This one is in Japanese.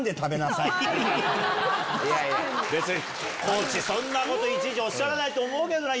別にコーチそんなこといちいちおっしゃらないと思うけどな。